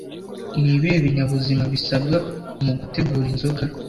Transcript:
Nibihe binyabuzima bisabwa mugutegura inzoga